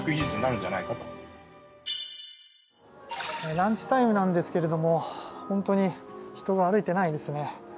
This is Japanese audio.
ランチタイムなんですけど本当に人が歩いていないですね。